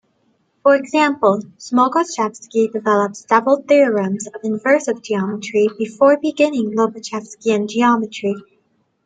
For example, Smogorzhevsky develops several theorems of inversive geometry before beginning Lobachevskian geometry.